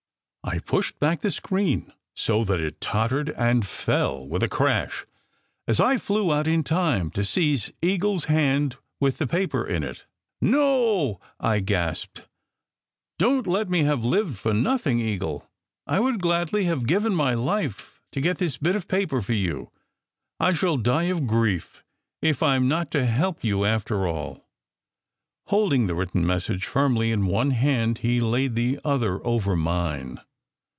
I pushed back the screen so that it tot tered and fell with a crash, as I flew out in time to seize Eagle s hand with the paper in it. "No !" I gasped. "Don t let me have lived for nothing, Eagle! I would gladly have given my life to get this bit of paper for you. I shall die of grief if I m not to help you after all." SECRET HISTORY 317 Holding the written message firmly in one hand, he laid the other over mine.